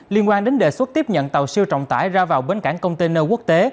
liên quan đến đề xuất tiếp nhận tàu siêu trọng tải ra vào bến cảng container quốc tế